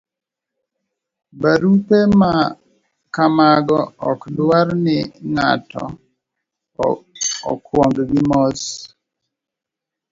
Barupe ma kamago ok dwar ni ng'ato okwong gi mos